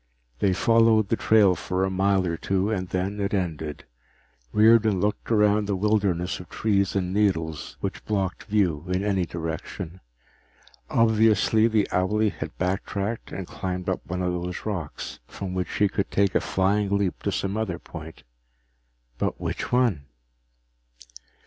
They followed the trail for a mile or two and then it ended. Riordan looked around the wilderness of trees and needles which blocked view in any direction. Obviously the owlie had backtracked and climbed up one of those rocks, from which he could take a flying leap to some other point. But which one?